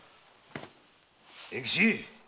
栄吉